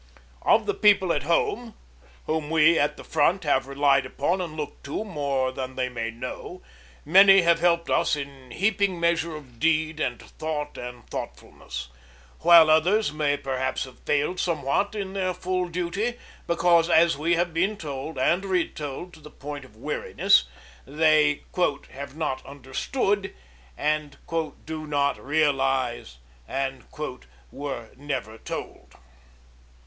Of the people at Home whom we at the Front have relied upon and looked to more than they may know many have helped us in heaping measure of deed and thought and thoughtfulness, while others may perhaps have failed somewhat in their full duty, because, as we have been told and re told to the point of weariness, they 'have not understood' and 'do not realise' and 'were never told.'